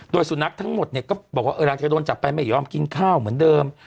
โดยสุนัขทั้งหมดเนี่ยก็บอกว่าหลังจากโดนจับไปไม่ยอมกินข้าวเหมือนเดิม